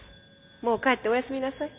もう帰ってお休みなさい。